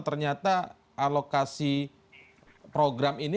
ternyata alokasi program ini